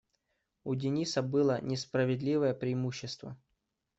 У Дениса было несправедливое преимущество.